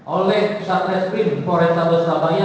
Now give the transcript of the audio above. oleh satres tim korek tanda surabaya